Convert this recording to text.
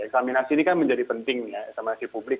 eksaminasi ini kan menjadi penting eksaminasi publik